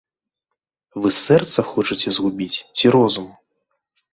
Вы сэрца хочаце згубіць, ці розум?